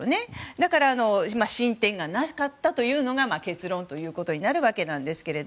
だから進展がなかったというのが結論ということになるわけですが。